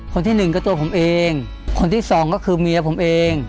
คนที่หนึ่งก็ตัวผมเองคนที่สองก็คือเมียผมเอง